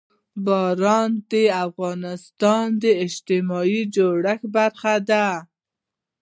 باران د افغانستان د اجتماعي جوړښت برخه ده.